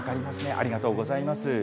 ありがとうございます。